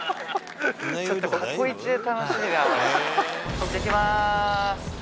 取ってきます！